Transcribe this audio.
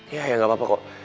ya ya nggak apa apa kok